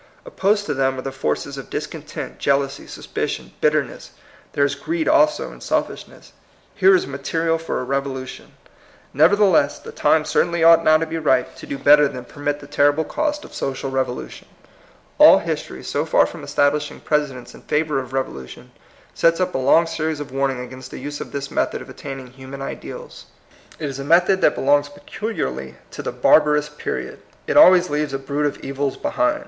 Opposed to them are the forces of discontent, jeal ousy, suspicion, bitterness ; there is greed also and selfishness. Here is material for a revolution. Nevertheless, the time certainly ought now to be ripe to do better than permit 160 THE COMING PEOPLE. the terrible cost of social revolation. All history, so far from establishing prece dents in favor of revolution, sets up a long series of warnings against the use of this method of attaining human ideals. It is a method that belongs peculiarly to the barbarous period. It always leaves a brood of evils behind.